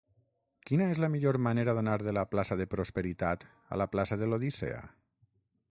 Quina és la millor manera d'anar de la plaça de Prosperitat a la plaça de l'Odissea?